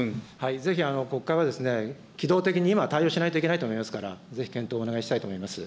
ぜひ国会は機動的に今、対応しないといけないと思いますから、ぜひ、検討をお願いしたいと思います。